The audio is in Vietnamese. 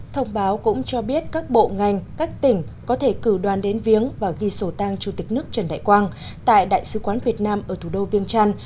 thông báo cũng cho biết các bộ ngành các tỉnh có thể cử đoàn đến viếng và ghi sổ tang chủ tịch nước trần đại quang tại đại sứ quán việt nam ở thủ đô viêng trăn